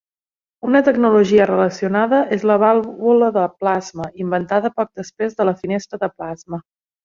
Una tecnologia relacionada és la vàlvula de plasma, inventada poc després de la finestra de plasma.